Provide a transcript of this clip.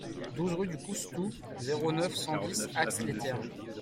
douze rue du Coustou, zéro neuf, cent dix, Ax-les-Thermes